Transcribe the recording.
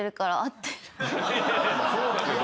そうだけど。